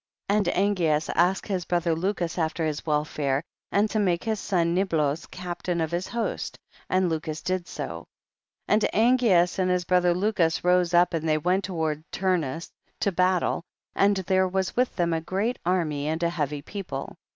18. And Angeas asked his brother 194 THE BOOK OF JASHER. Lucus after his welfare, and to make his son Niblos captain of his host, and Lucus did so, and Angeas and his brother Lucus rose up and they went toward Turnus to battle, and there was Avith them a great army and a heavy people.